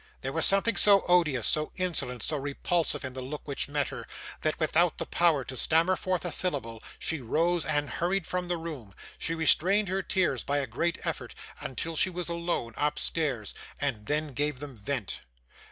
There was something so odious, so insolent, so repulsive in the look which met her, that, without the power to stammer forth a syllable, she rose and hurried from the room. She restrained her tears by a great effort until she was alone upstairs, and then gave them vent.